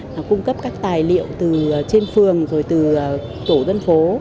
là cung cấp các tài liệu từ trên phường rồi từ tổ dân phố